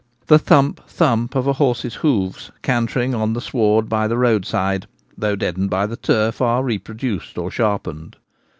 The thump thump of a horse's hoofs cantering on the sward by the roadside, 4 though deadened by the turf, are reproduced or sharpened.